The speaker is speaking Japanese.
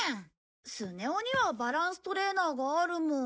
スネ夫にはバランストレーナーがあるもん。